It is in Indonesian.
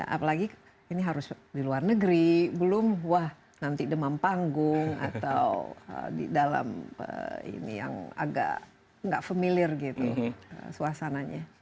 apalagi ini harus di luar negeri belum wah nanti demam panggung atau di dalam ini yang agak nggak familiar gitu suasananya